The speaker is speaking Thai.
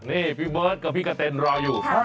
นี่พี่เมิ๊ดกับพี่กะเตนรออยู่ครับ